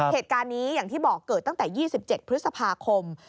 เหตุการณ์นี้อย่างที่บอกเกิดตั้งแต่๒๗พฤษภาคม